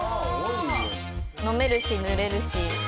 飲めるし塗れるし。